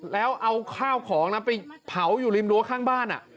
แล้วเอาข้าวของไปเผาอยู่ริมรั้วข้างบ้าน